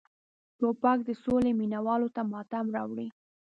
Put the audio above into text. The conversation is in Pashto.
توپک د سولې مینه والو ته ماتم راوړي.